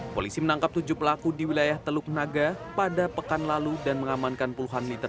polisi menangkap tujuh pelaku di wilayah teluk naga pada pekan lalu dan mengamankan puluhan liter